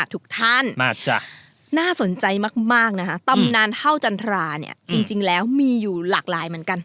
ทุกท่านน่าสนใจมากนะคะตำนานเท่าจันทราเนี่ยจริงแล้วมีอยู่หลากหลายเหมือนกัน